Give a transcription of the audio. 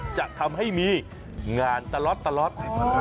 จะทำให้มีงานตลอด